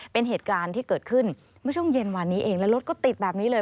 เป็นเหตุการณ์ที่เกิดขึ้นเมื่อช่วงเย็นวานนี้เองแล้วรถก็ติดแบบนี้เลย